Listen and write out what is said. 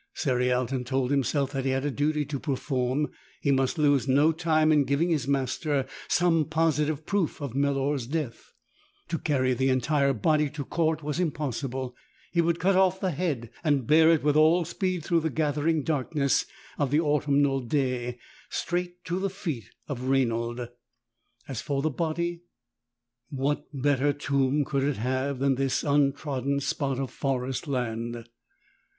Cerialton told himself that he had a duty to perform. He must lose no time in giving his master some positive proof of Melor's death. To carry the entire body to court was impossible : he would cut off the head and bear it with all speed through the gathering darkness of the autumnal day straight to the feet of Rainald. As for the body, what better tomb could it have than this untrodden spot of forest land?